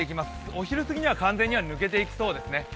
お昼過ぎには完全に抜けていきそうですね。